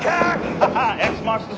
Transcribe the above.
ハハッ！